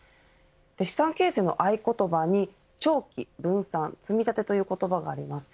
資産形成の合言葉に長期・分散・積立という言葉があります。